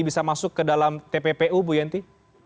bisa masuk ke dalam tppu bu yenti